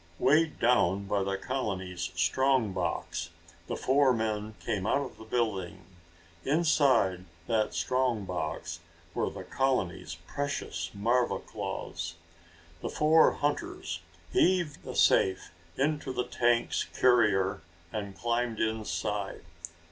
Weighed down by the colony's strong box, the four men came out of the building. Inside that strong box were the colony's precious marva claws! The four hunters heaved the safe into the tank's carrier and climbed inside.